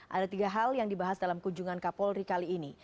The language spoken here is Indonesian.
ada tiga hal yang dibahas dalam kunjungan kapolri kali ini